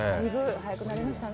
速くなりましたね。